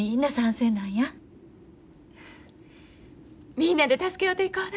みんなで助け合うていこうな？